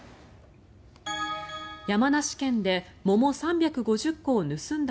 山梨県で桃３５０個を盗んだ